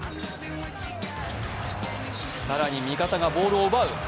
更に、味方がボールを奪う。